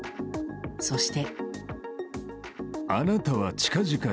そして。